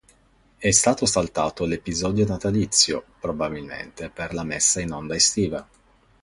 È stato saltato l'episodio natalizio, probabilmente per la messa in onda estiva.